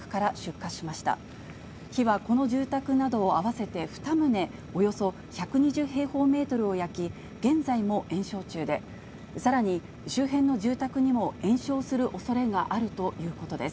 火はこの住宅など合わせて２棟およそ１２０平方メートルを焼き、現在も延焼中で、さらに周辺の住宅にも延焼するおそれがあるということです。